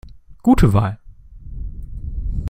Gute Wahl!